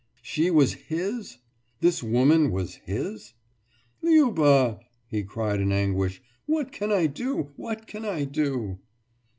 « She was his? This woman was his? »Liuba,« he cried in anguish, »what can I do? What can I do?